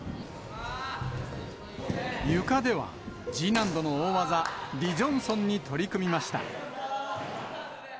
ゆかでは、Ｇ難度の大技、リ・ジョンソンに取り組みました。